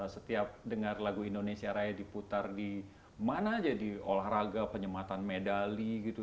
setiap dengar lagu indonesia raya diputar di mana aja di olahraga penyematan medali gitu